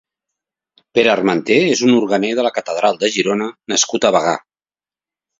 Pere Armenter és un organer de la Catedral de Girona nascut a Bagà.